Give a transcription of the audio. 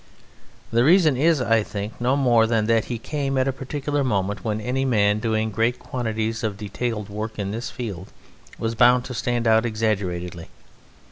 The reason is, I think, no more than that he came at a particular moment when any man doing great quantities of detailed work in this field was bound to stand out exaggeratedly.